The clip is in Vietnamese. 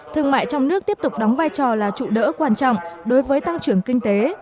thương mại trong nước tiếp tục đóng vai trò là trụ đỡ quan trọng đối với tăng trưởng kinh tế